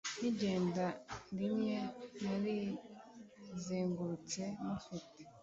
Nkigenda rimwe narizengurutse mufite